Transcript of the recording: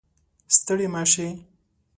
ستړې مه شئ